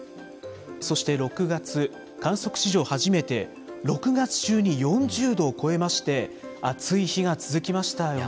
そして６月、観測史上初めて、６月中に４０度を超えまして、暑い日が続きましたよね。